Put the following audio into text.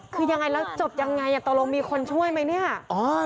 คือยังไงแล้วจบยังไงตกลงมีคนช่วยไหมเนี่ย